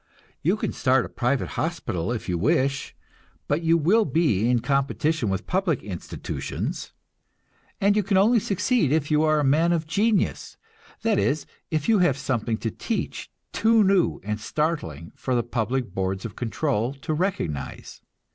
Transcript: You can start a private hospital if you wish, but you will be in competition with public institutions, and you can only succeed if you are a man of genius that is, if you have something to teach, too new and startling for the public boards of control to recognize.